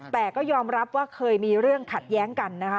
แต่ก็ยอมรับว่าเคยมีเรื่องขัดแย้งกันนะคะ